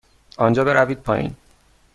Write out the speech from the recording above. آنجا بروید پایین.